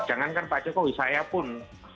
jangan kan pak jokowi saya pun